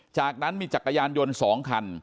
จากนั้นมีจักรยานยนต์๒คัน